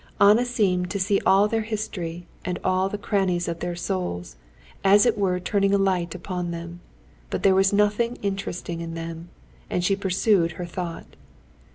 Anna seemed to see all their history and all the crannies of their souls, as it were turning a light upon them. But there was nothing interesting in them, and she pursued her thought.